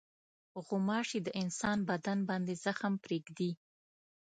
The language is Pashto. غوماشې د انسان بدن باندې زخم پرېږدي.